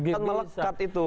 kan melekat itu